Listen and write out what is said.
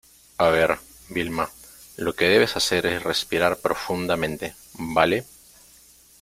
a ver, Vilma , lo que debes hacer es respirar profundamente ,¿ vale?